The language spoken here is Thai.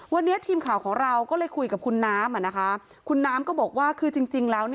วันนี้ทีมข่าวของเราก็เลยคุยกับคุณน้ำคุณน้ำก็บอกว่าคือจริงแล้ว